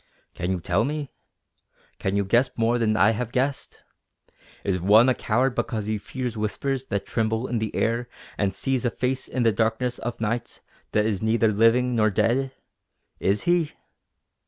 "Can you tell me? Can you guess more than I have guessed? Is one a coward because he fears whispers that tremble in the air and sees a face in the darkness of night that is neither living nor dead? Is he?"